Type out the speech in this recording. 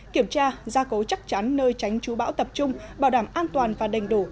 kiểm tra gia cấu chắc chắn nơi tránh trụ bão tập trung bảo đảm an toàn và đành đủ